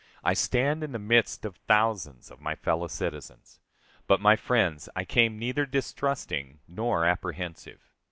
I stand in the midst of thousands of my fellow citizens. But, my friends, I came neither distrusting nor apprehensive....